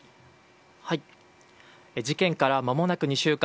事件からまもなく２週間。